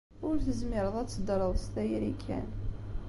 Ur tezmireḍ ad teddreḍ s tayri kan.